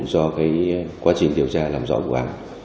do quá trình điều tra làm rõ vụ án